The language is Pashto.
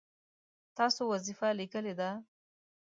تاسو وظیفه لیکلې ده؟